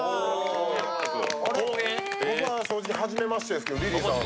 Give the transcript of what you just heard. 僕は正直はじめましてですけど、リリーさん